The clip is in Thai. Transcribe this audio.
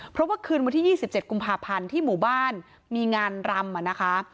เพราะว่าคืนวันที่๒๗กุมภาพันธ์ที่หมู่บ้านมีงานรำนะคะ